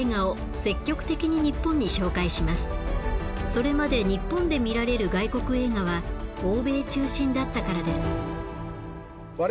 それまで日本で見られる外国映画は欧米中心だったからです。